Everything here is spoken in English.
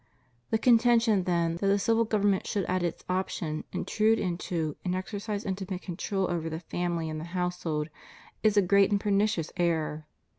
The contention, then, that the civil government should at its option intrude into and exercise intimate control over the family and the household, is a great and pernicious error.